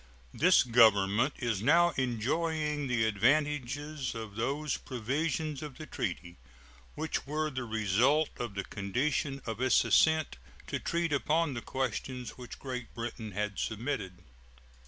This Government is now enjoying the advantages of those provisions of the treaty which were the result of the condition of its assent to treat upon the questions which Great Britain had submitted.